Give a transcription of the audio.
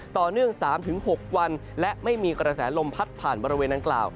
ต่อเนื่อง๓๖วันและไม่มีกระแสลมพัดผ่านบริเวณดังกล่าว